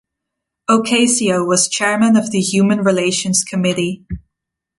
Ocasio was Chairman of the Human Relations Committee.